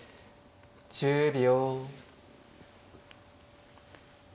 １０秒。